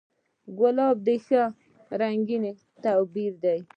ګلاب د ښکلا رنګین تعبیر دی.